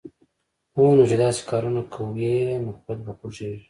هونو چې داسې کارونه کوی، خود به خوږېږې